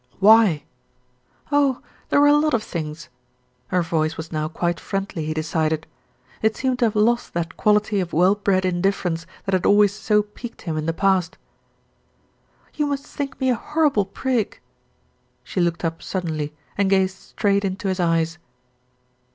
"Why?" "Oh ! there were a lot of things." Her voice was now quite friendly, he decided. It seemed to have lost that quality of well bred indifference that had always so piqued him in the past. "You must think me a hor rible prig." She looked up suddenly, and gazed straight into his eyes.